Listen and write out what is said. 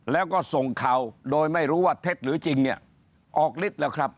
แล้วก็ส่งข่าวโดยไม่รู้ว่าเท็จหรือจริงเนี่ยออกฤทธิ์แล้วครับ